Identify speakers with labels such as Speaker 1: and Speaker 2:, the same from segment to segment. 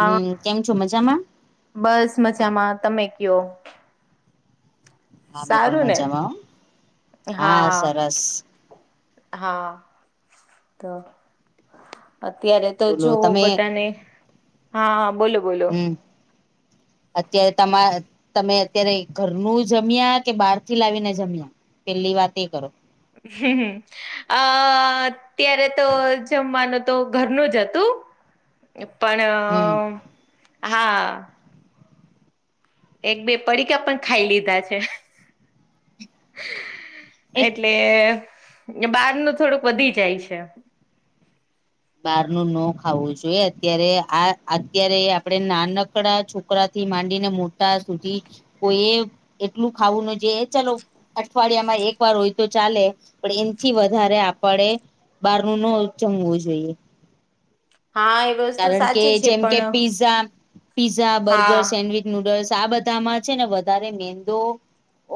Speaker 1: હા, કેમ છો? મજામાં?
Speaker 2: બસ, મજામાં. તમે કહો?
Speaker 1: હા, અમે પણ
Speaker 2: સારું ને
Speaker 1: મજામાં. હા, સરસ!
Speaker 2: હા, તો અત્યારે... તો
Speaker 1: બોલો
Speaker 2: જુઓ,
Speaker 1: તમે
Speaker 2: બધાને. હા, બોલો, બોલો.
Speaker 1: હમ અત્યારે તમે ઘરનું જમ્યા કે બહારથી લાવીને જમ્યા? પહેલી વાત એ કરો.
Speaker 2: હા, હા. અત્યારે તો જમવાનું ઘરનું જ હતું.
Speaker 1: હમ
Speaker 2: પણ હા... એક-બે પડીકા પણ ખાઈ લીધા છે
Speaker 1: એ
Speaker 2: એટલે... એ બારને થોડુંક વધી જાય છે.
Speaker 1: ન ખાવું જોઈએ. આપણે અત્યારે નાનકડા છીએ. છોકરાથી માંડીને મોટા સુધી કોઈએ એટલું ખાવું ન જોઈએ, ચાલો. અઠવાડિયામાં એક વાર હોય તો ચાલે, પણ એમથી વધારે આપણે... બહાર નું નો જમવું જોઈએ.
Speaker 2: હા એ હા એ હા
Speaker 1: કારણ કે જેમ કે પિઝઝા પીઝઝા બર્ગર
Speaker 2: હા
Speaker 1: સેન્ડવીચ--કારણ કે જેમ કે પિઝઝા બગૅર સેન્ડવીચ નૂડલ્સ આ બધામાં છે ને વધારે મેંદો નૂડલ્સ આ બધામાં છે ને વધારે મેંદો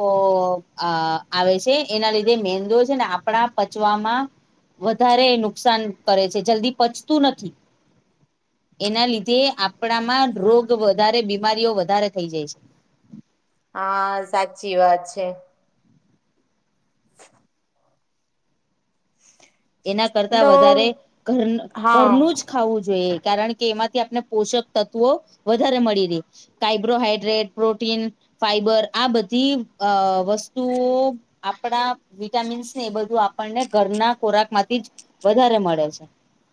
Speaker 1: ઓ-આ-આવે છે એના લીધે મેંદો છે ને આપણા પચવામા ઓ- આ- આવે છે એના લીધે મેંદો છે ને આપણા પચવામા વધારે નુકસાન કરે છે જલ્દી પચતું નથી. વધારે નુકસાન કરે છે જલ્લી પચતું નથી એના લીધે આપણામાં રોગ વધારે બીમારીઓ વધારે થઈ જાય છે. એના લીધે આપણામાં રોગ બીમારીઓ વધારે થઈ જાય છે.
Speaker 2: હા સાચી વાત છે. હા સાચી વાત છે ‌
Speaker 1: એના કરતા
Speaker 2: તો
Speaker 1: વધારે ઘર-
Speaker 2: હા
Speaker 1: ઘરનું જ ખાવું જોઈએ કારણ કે એના કરતાં વધારે ઘર- ઘરનું જ ખાવું જોઈએ કારણ કે કે એમાંથી આપને પોષક તત્વો વધારે મળી રે, કાઈબ્રોહાઈડ્રેટ, પ્રોટીન, કે એમાંથી આપને પોષણ તત્વો વધારે મળી રે, કાર્બોહાઈડ્રેટ, પ્રોટીન, ફાઈબર આ બધી અ વસ્તુઓ ફાઇબર આ બધી વસ્તુઓ આપણા વિટામીન્સ ને એ બધું આપણને ઘરના ખોરાક માંથી જ વધારે મળે છે. આપના વિટામીન્સ ને એ બધું આપણાને ઘરના ખોરાકમાંથી જ વધારે મળે છે